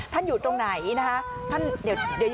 ท่านอยู่ตรงไหนนะฮะเดี๋ยวฉันจะไป